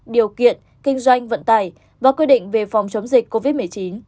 điều kiện kinh doanh vận tải và quy định về phòng chống dịch covid một mươi chín